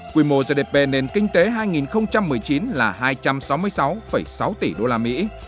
quy mô gdp nền kinh tế hai nghìn một mươi chín là hai trăm sáu mươi sáu sáu tỷ usd